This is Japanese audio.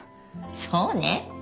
そうね。